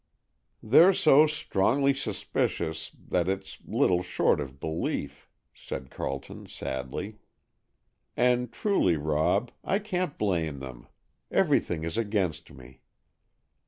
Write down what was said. "They're so strongly suspicious that it's little short of belief," said Carleton sadly. "And truly, Rob, I can't blame them. Everything is against me."